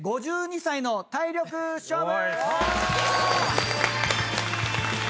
５２才の体力勝負！